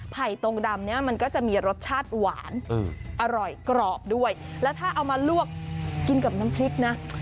ตรงดำเนี่ยมันก็จะมีรสชาติหวานอร่อยกรอบด้วยแล้วถ้าเอามาลวกกินกับน้ำพริกนะ